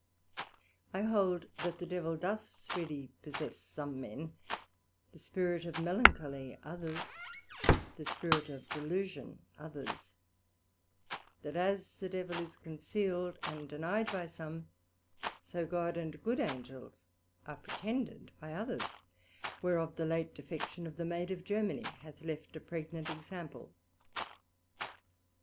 I hold that the Devil doth really possess some men, the spirit of Melancholly others, the spirit of Delusion others; that as the Devil is concealed and denyed by some, so God and good Angels are pretended by others whereof the late defection of the Maid of Germany hath left a pregnant example.